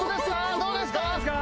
どうですか？